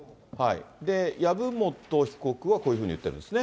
籔本被告は、こういうふうに言ってるんですね。